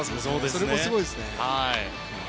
それもすごいですね。